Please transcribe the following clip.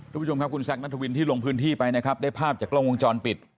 คุณผู้ชมครับคุณแซคนัทวินที่ลงพื้นที่ไปนะครับได้ภาพจากกล้องวงจรปิด